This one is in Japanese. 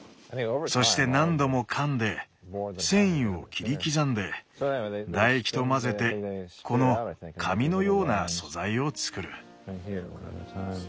そして何度も噛んで繊維を切り刻んで唾液と混ぜてこの紙のような素材を作る。